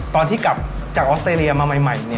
ตอนที่กลับจากออสเตรเลียมาใหม่